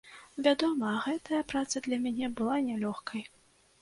Вядома, гэтая праца для мяне была нялёгкай.